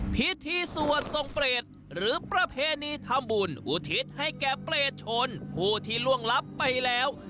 พิธีสวดทรงเปรตหรือประเพณีทำบุญอุทิศให้แก่เปรตชนผู้ที่ล่วงลับไปแล้ว